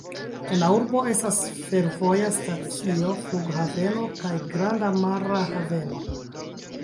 En la urbo estas fervoja stacio, flughaveno kaj granda mara haveno.